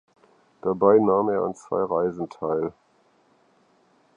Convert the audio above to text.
Dabei nahm er an zwei Reisen teil.